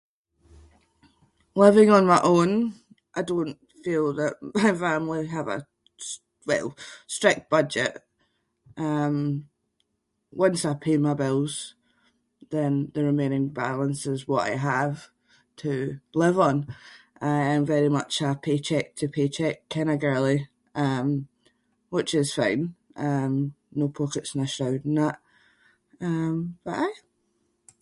Living on my own I don’t feel that [inc] have a st- well, strict budget. Um once I pay my bills then the remaining balance is what I have to live on. I am very much a pay check to pay check kind of girlie um which is fine. Um no pockets in a shroud and that. Um but aye.